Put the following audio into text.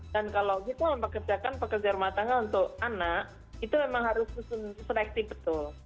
dan kalau kita mempekerjakan pekerja rumah tangga untuk anak itu memang harus seleksi betul